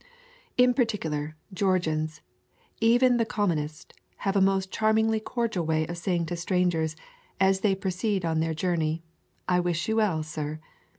In particular, Georgians, even the common est, have a most charmingly cordial way of say ing to strangers, as they proceed on their jour ney, "I wish you well, sir."